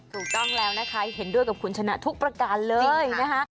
ถูกต้องแล้วนะคะเห็นด้วยกับคุณชนะทุกประการเลยนะคะ